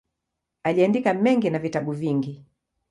Aliandika mengi na vitabu vingi.